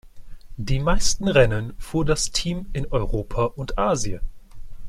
Die meisten Rennen fuhr das Team in Europa und Asien.